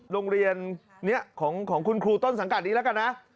โรงเรียนนี้ของคุณครูต้นสังกัดนี้แล้วกันนะ